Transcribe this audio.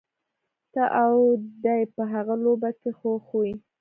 ته او دی په هغه لوبه کي خو خوئ.